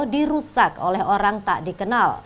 dirusak oleh orang tak dikenal